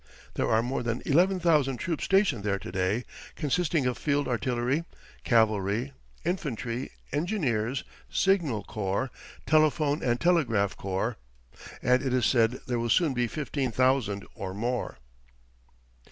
There are more than eleven thousand troops stationed there to day, consisting of field artillery, cavalry, infantry, engineers, signal corps, telephone and telegraph corps, and it is said there will soon be fifteen thousand or more.